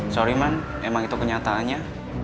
sorry man emang itu kenyataannya